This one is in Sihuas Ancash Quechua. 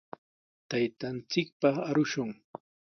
Taytanchikpaq arushun.